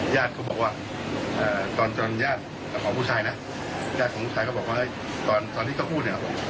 ย่าของผู้ชายบอกว่าตอนที่เขาพูด